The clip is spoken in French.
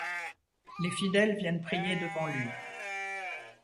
Les fidèles viennent prier devant lui.